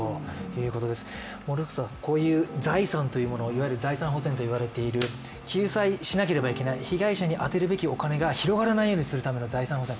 こういう財産というもの、いわゆる財産補填と言われている救済しなければいけない、被害者にあてるべきお金が広がらないようにするための財産保全